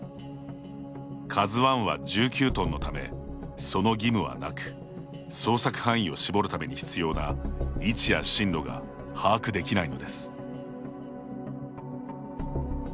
ＫＡＺＵ１は１９トンのためその義務はなく、捜索範囲を絞るために必要な位置や針路が把握できないのです。